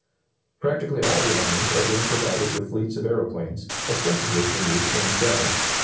] Practically all the armies are being provided with fleets of aeroplanes, ostensibly for use in scouting.